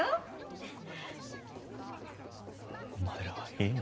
お前らはいいな。